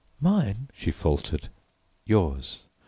"Mine?" she faltered. "Yours.